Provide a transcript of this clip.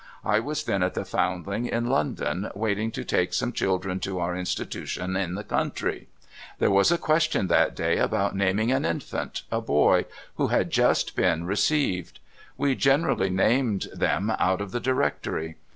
I was then at the Foundling, in London, waiting to take some children to our institution in the country. There was a question that day about naming an infant — a boy — who had just been A DREADFUL MISTAKE 489 received. We generally named them out of the Directory.